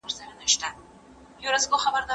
په تېر کي ډېر سړکونه جوړ سول.